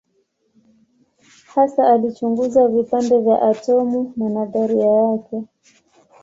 Hasa alichunguza vipande vya atomu na nadharia yake.